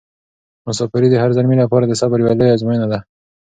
مساپري د هر زلمي لپاره د صبر یوه لویه ازموینه ده.